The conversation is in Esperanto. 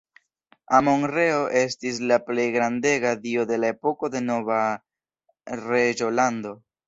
Amon-Reo estis la plej grandega dio de la epoko de Nova Reĝolando.